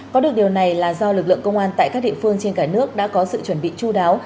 có được điều này là do lực lượng công an tại các địa phương trên cả nước đã có sự chuẩn bị chú đáo